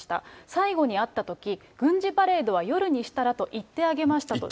最後に会ったとき、軍事パレードは夜にしたらと言ってあげましたと。